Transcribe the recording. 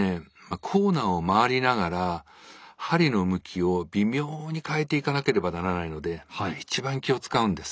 コーナーを回りながら針の向きを微妙に変えていかなければならないので一番気を遣うんです。